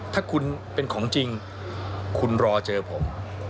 ถ้าคุณเป็นของจริงคุณรอเจอผม